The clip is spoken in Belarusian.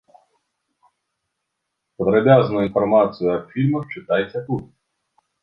Падрабязную інфармацыю аб фільмах чытайце тут.